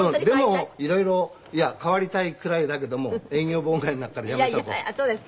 でもいろいろいや変わりたいくらいだけども営業妨害になるからやめとこう。